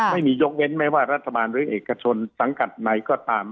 ไม่มียกเว้นไม่ว่ารัฐบาลหรือเอกชนสังกัดไหนก็ตาม